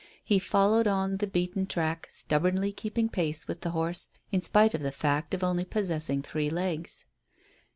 He followed on the beaten track, stubbornly keeping pace with the horse in spite of the fact of only possessing three legs.